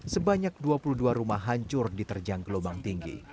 sebanyak dua puluh dua rumah hancur diterjang gelombang tinggi